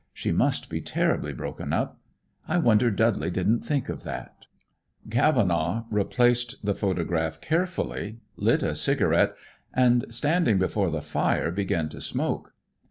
She must be terribly broken up. I wonder Dudley didn't think of that." Cavenaugh replaced the photograph carefully, lit a cigarette, and standing before the fire began to smoke.